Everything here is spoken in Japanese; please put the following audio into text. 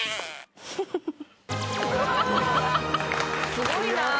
すごいな。